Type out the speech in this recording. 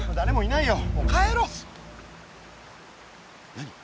何？